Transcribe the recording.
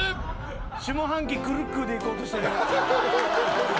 下半期くるっくぅでいこうとしてる。